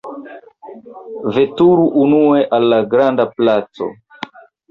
Veturu unue al la granda placo!